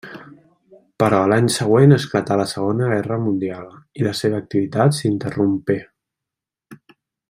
Però a l'any següent esclatà la Segona Guerra Mundial, i la seva activitat s'interrompé.